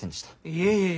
いえいえ。